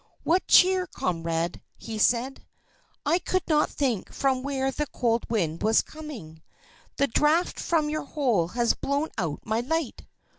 "What cheer, comrade?" he said. "I could not think from where the cold wind was coming. The draught from your hole has blown out my light."